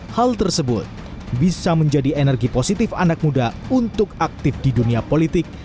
hal tersebut bisa menjadi energi positif anak muda untuk aktif di dunia politik